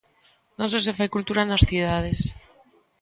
Non só se fai cultura nas cidades.